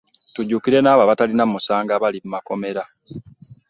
Tujjukire n'abo abatalina musango abali mu makomera.